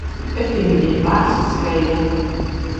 It kin my gjin barst skele.